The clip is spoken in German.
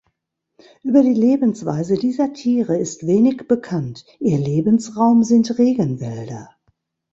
Über die Lebensweise dieser Tiere ist wenig bekannt, ihr Lebensraum sind Regenwälder.